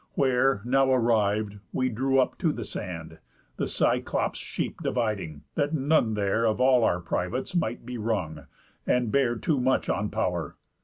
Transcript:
Where, now arriv'd, we drew up to the sand, The Cyclops' sheep dividing, that none there Of all our privates might be wrung, and bear Too much on pow'r.